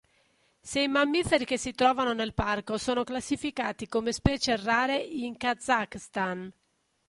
Sei mammiferi che si trovano nel parco sono classificati come specie rare in Kazakhstan.